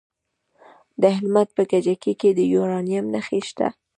د هلمند په کجکي کې د یورانیم نښې شته.